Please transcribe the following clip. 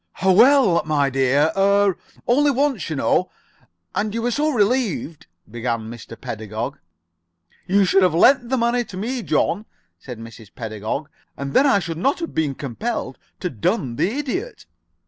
"Well, my dear er only once, you know, and you were so relieved " began Mr. Pedagog. "You should have lent the money to me, John," said Mrs. Pedagog, "and then I should not have been compelled to dun the Idiot."